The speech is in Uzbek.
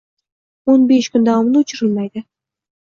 O'n besh kun davomida o'chirilmaydi